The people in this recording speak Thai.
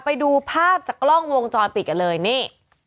ไปดูภาพจากกล้องวงจรปิดกันเลยนี่